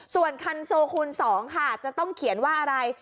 ส่วนคันโซคูณ๒ค่ะจะต้องเขียนว่าอะไร